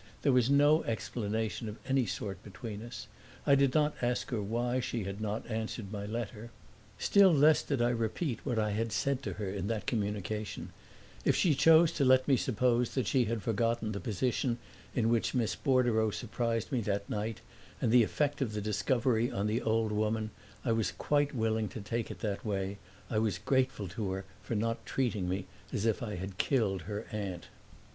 There was no explanation of any sort between us; I did not ask her why she had not answered my letter. Still less did I repeat what I had said to her in that communication; if she chose to let me suppose that she had forgotten the position in which Miss Bordereau surprised me that night and the effect of the discovery on the old woman I was quite willing to take it that way: I was grateful to her for not treating me as if I had killed her aunt.